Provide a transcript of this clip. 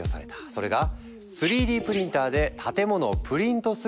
それが３Ｄプリンターで建物をプリントするっていうマジ？